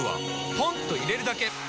ポンと入れるだけ！